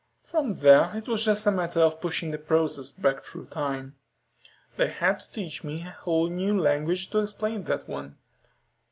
From there it was just a matter of pushing the process back through time. They had to teach me a whole new language to explain that one."